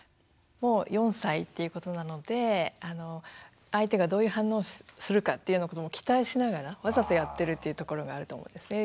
もう４歳っていうことなので相手がどういう反応をするかっていうようなことも期待しながらわざとやってるっていうところがあると思うんですね。